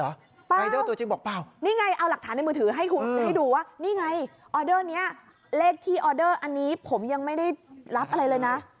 รายเดอร์ตัวจริงบอกเปล่านี่ไงเอาหลักฐานในมือถือให้คุณให้ดูว่านี่ไงออเดอร์นี้เลขที่ออเดอร์อันนี้ผมยังไม่ได้รับอะไรเลยนะ